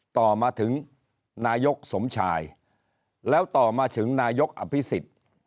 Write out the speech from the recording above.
ต่อมาถึงนายกสมชายแล้วต่อมาถึงนายกอภิษฎ